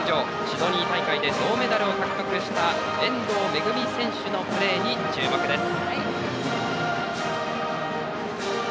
シドニー大会で銅メダルを獲得した遠藤恵美選手のプレーに注目です。